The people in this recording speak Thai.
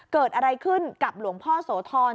เกิดอะไรขึ้นกับหลวงพ่อโสธร